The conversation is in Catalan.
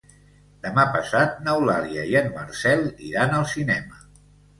Demà passat n'Eulàlia i en Marcel iran al cinema.